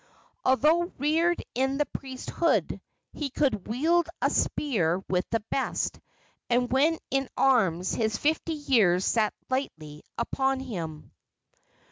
Although reared in the priesthood, he could wield a spear with the best, and when in arms his fifty years sat lightly upon him.